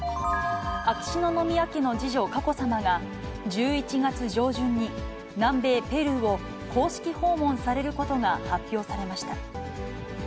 秋篠宮家の次女、佳子さまが、１１月上旬に南米ペルーを公式訪問されることが発表されました。